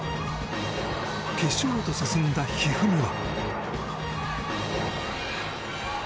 決勝へと進んだ一二三は。